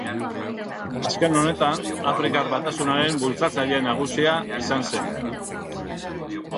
Azken honetan Afrikar Batasunaren bultzatzaile nagusia izan zen.